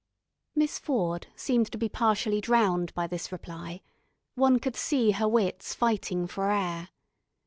Miss Ford seemed to be partially drowned by this reply. One could see her wits fighting for air.